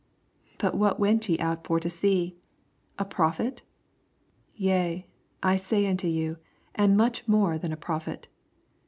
26 But what went ye out for to see f A prophet ? Yea, I say unto you, and much more than a prophet.